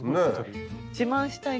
自慢したいし。